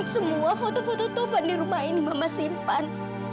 semua foto foto tuhan di rumah ini mama simpan